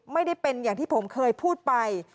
ไม่ได้เป็นอย่างที่ผมเคยพูดไป